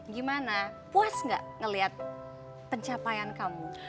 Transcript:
gimana puas gak ngeliat pencapaian kamu